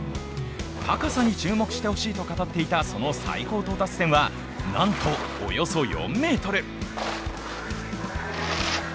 高さに注目してほしいと語っていた、その最高到達点はなんと、およそ４ｍ。